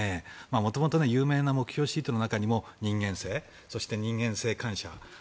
元々、有名な目標シートの中にも人間性、そして感謝。